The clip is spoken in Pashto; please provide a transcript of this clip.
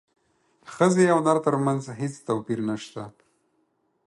ښځې او نر ترمنځ هیڅ توپیر نشته